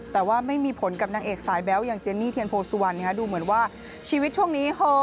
แต่ว่าไม่มีผลกับนางเอกสายแบ๊วอย่างเจนี่เทียนโพสัวน